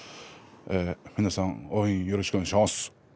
皆さん応援よろしくお願いします。